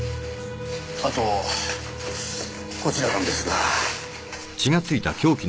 あとこちらなんですが。